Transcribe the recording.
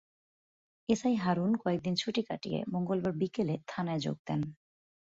SI Harun কয়েক দিন ছুটি কাটিয়ে মঙ্গলবার বিকেলে থানায় যোগ দেন।